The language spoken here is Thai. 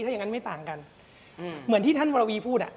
ถ้าอย่างนั้นไม่ต่างกันเหมือนที่ท่านวรวีพูดอ่ะ